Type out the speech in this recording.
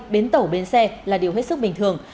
bến tàu bến xe là điều hết sức bình thường